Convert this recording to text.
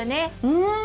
うん！